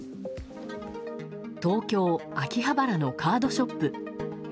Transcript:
東京・秋葉原のカードショップ。